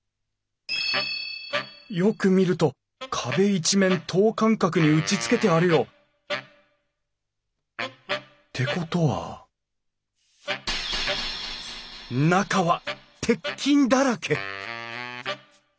よく見ると壁一面等間隔に打ちつけてあるよ。ってことは中は鉄筋だらけ！？